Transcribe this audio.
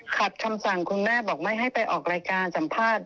ขัดคำสั่งคุณแม่บอกไม่ให้ไปออกรายการสัมภาษณ์